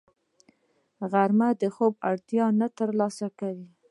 غرمه د خوب اړتیا له لاسه نه ورکوي